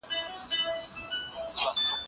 هغه وویل چي زه مقاله لیکم.